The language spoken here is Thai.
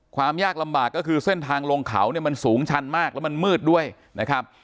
ความยากลำบากก็คือเส้นทางลงเขาเนี่ยมันสูงชันมากแล้วมันมืดด้วยนะครับ